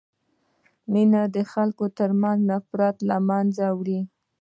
مینه د خلکو ترمنځ نفرت له منځه وړي.